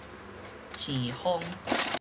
瀳風